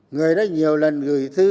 người đã nhiều lần gửi thư